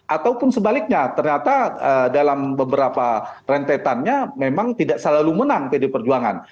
ataupun sebaliknya ternyata dalam beberapa rentetannya memang tidak selalu menang pd perjuangan